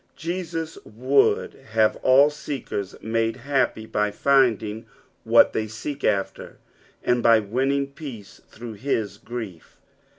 Jesus would have all seekers made happy by finding what they seek after, and by winning peace through his grief.